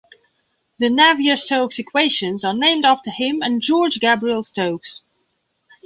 The Navier-Stokes equations are named after him and George Gabriel Stokes.